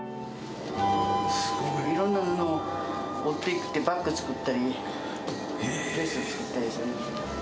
いろんな布を織っていって、バッグ作ったり、レース作ったりするの。